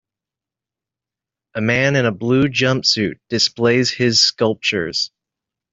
A man in a blue jumpsuit displays his sculptures.